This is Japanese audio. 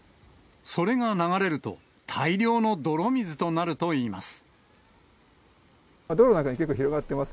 それが流れると、大量の泥水になるといいます。